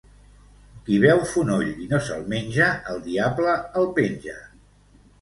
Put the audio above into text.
Qui veu fonoll i no se'l menja, el diable el penja.